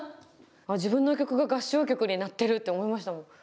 自分の曲が合唱曲になってる！って思いましたもん。